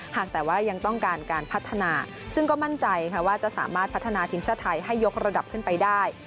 หากแต่ว่ายังต้องการการพัฒนาซึ่งก็มั่นใจว่าจะสามารถพัฒนาทีมชาติไทยให้ยกระดับขึ้นไปได้